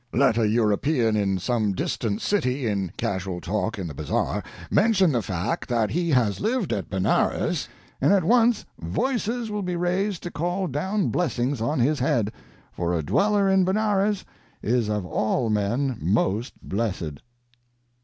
Let a European in some distant city in casual talk in the bazar mention the fact that he has lived at Benares, and at once voices will be raised to call down blessings on his head, for a dweller in Benares is of all men most blessed."